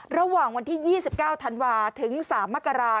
ระหว่างวันที่๒๙ธันวาถึง๓มกรา